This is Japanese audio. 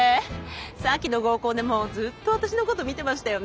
さっきの合コンでもずっと私のこと見てましたよね！